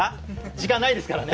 時間ないですからね。